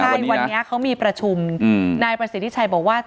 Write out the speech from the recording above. ใช่วันนี้เขามีประชุมนายประสิทธิชัยบอกว่า